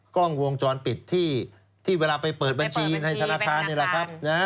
กล้องวงจรปิดที่เวลาไปเปิดบัญชีในธนาคารนี่แหละครับ